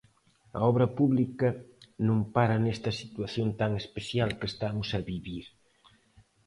A obra pública non para nesta situación tan especial que estamos a vivir.